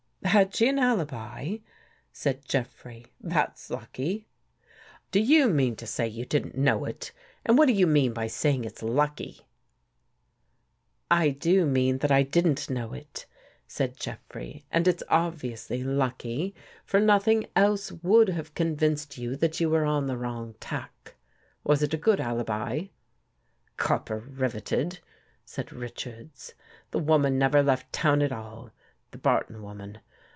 "Had she an alibi?" said Jeffrey. "That's lucky." " Do you mean to say you didn't know it? And what do you mean by saying it's lucky? "" I do mean that I didn't know it," said Jeffrey. " And it's obviously lucky, for nothing else would 143 THE GHOST GIRL have convinced you that you were on the wrong tack. Was it a good alibi? "" Copper riveted/' said Richards. " The woman never left town at all — the Barton woman.